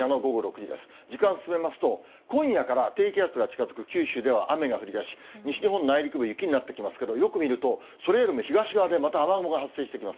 時間進めますと、今夜から低気圧が近づく九州では雨が降りだし、西日本内陸部、雪になってきますけれども、よく見ると、それよりも東側でまた雨雲が発生してきます。